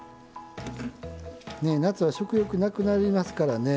ね夏は食欲なくなりますからね。